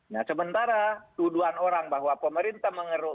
nah sementara tuduhan orang bahwa pemerintah mengeruk